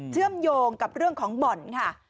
เชื่อมโยงกับเรื่องของบ่อนค่ะ